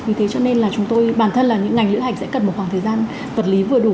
vì thế cho nên là chúng tôi bản thân là những ngành lữ hành sẽ cần một khoảng thời gian vật lý vừa đủ